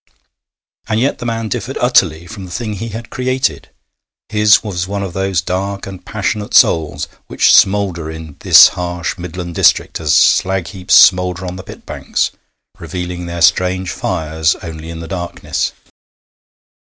And yet the man differed utterly from the thing he had created. His was one of those dark and passionate souls which smoulder in this harsh Midland district as slag heaps smoulder on the pit banks, revealing their strange fires only in the darkness.